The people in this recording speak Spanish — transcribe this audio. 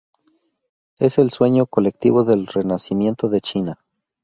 Es el sueño colectivo del renacimiento de China.